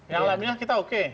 yang alamiah kita oke